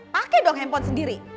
pakai dong handphone sendiri